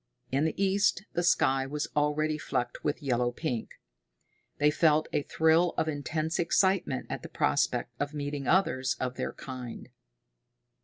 In the east the sky was already flecked with yellow pink. They felt a thrill of intense excitement at the prospect of meeting others of their kind.